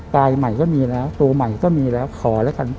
ใหม่ก็มีแล้วตัวใหม่ก็มีแล้วขอแล้วกัน